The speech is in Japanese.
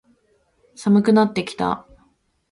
寒くなってきた。